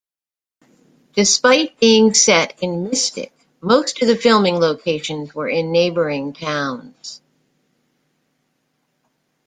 Despite being set in Mystic, most of the filming locations were in neighboring towns.